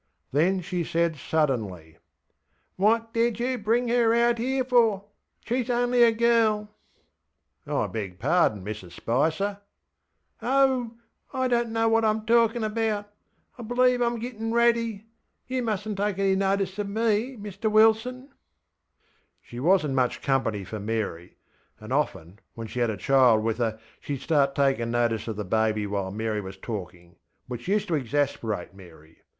Then she said suddenlyŌĆö ŌĆśWhat did you bring her here for? SheŌĆÖs only a girl. ŌĆÖ ŌĆśI beg pardon, Mrs Spicer.ŌĆÖ ŌĆśOh, I donŌĆÖt know what IŌĆÖm talkinŌĆÖ about! I bŌĆÖlieve IŌĆÖm gittinŌĆÖ ratty. You mustnŌĆÖt take any notice of me, Mr Wilson.ŌĆÖ She wasnŌĆÖt much company for Mary; and often, when she had a child with her, sheŌĆÖd start taking notice of the baby while Mary was talking, which used to exasperate Mary.